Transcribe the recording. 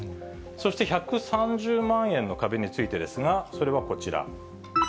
そして１３０万円の壁についてですが、それはこちら。